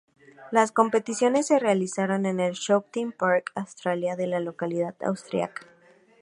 Las competiciones se realizaron en el Shooting Park Austria de la localidad austríaca.